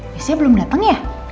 missnya belum dateng ya